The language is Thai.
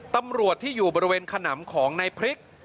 ตำรวจที่อยู่บริเวณขนำของในพริก